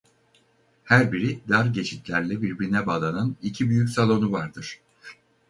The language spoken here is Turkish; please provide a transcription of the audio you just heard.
Her biri dar geçitlerle birbirine bağlanan iki büyük salonu vardır.